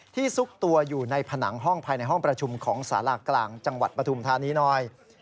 ซุกตัวอยู่ในผนังห้องภายในห้องประชุมของสารากลางจังหวัดปฐุมธานีหน่อย